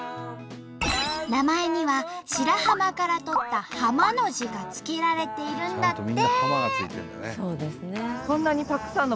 名前には白浜から取った「浜」の字が付けられているんだって。